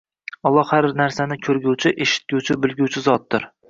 Alloh har narsani ko'rguvchi, eshitguvchi, bilguvchi zotdir.